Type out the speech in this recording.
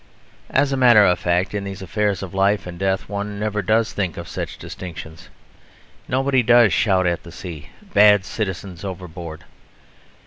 As a matter of fact, in these affairs of life and death one never does think of such distinctions. Nobody does shout out at sea, "Bad citizen overboard!"